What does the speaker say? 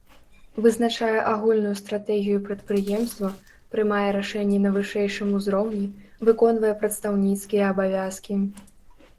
Вызначае агульную стратэгію прадпрыемства, прымае рашэнні на вышэйшым узроўні, выконвае прадстаўніцкія абавязкі.